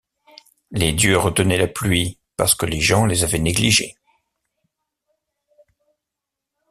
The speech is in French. Les dieux retenaient la pluie parce que les gens les avaient négligés.